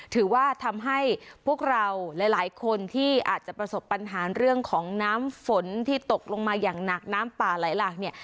ถือว่าทำให้พวกเราหลายคนที่อาจจะประสบปัญหาเรื่องของน้ำฝนที่ตกลงมาอย่างหนักน้ำป่าไหลหลากเนี่ย